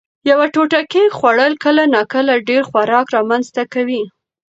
یوه ټوټه کېک خوړل کله ناکله ډېر خوراک رامنځ ته کوي.